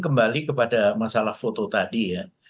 kembali kepada masalah foto tadi ya